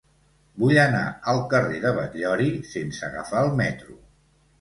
Vull anar al carrer de Batllori sense agafar el metro.